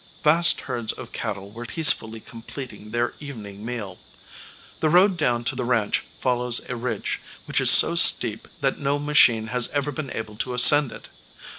Vast herds of cattle were peacefully completing their evening meal. The road down to the ranch follows a ridge, which is so steep that no machine has ever been able to ascend it.